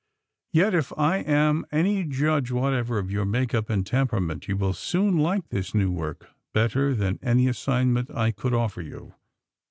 ''Yet, if I am any judge whatever of your make up and temperament, you will soon like this new work better than any assignment I could offer you.